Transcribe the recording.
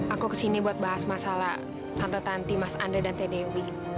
aku kesini buat bahas masalah tante tanti mas andre dan tedewi